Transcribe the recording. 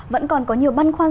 vẫn còn có nhiều băn khoăn